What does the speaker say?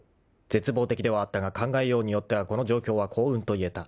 ［絶望的ではあったが考えようによってはこの状況は幸運といえた］